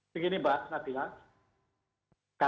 begini mbak nabilah